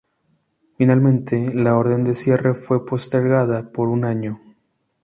Finalmente, la orden de cierre fue postergada por un año.